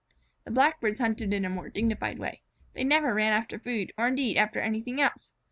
The Blackbirds hunted in a more dignified way. They never ran after food, or indeed after anything else.